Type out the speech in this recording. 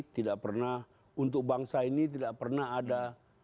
tidak pernah untuk bangsa ini tidak pernah ada